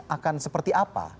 akan seperti apa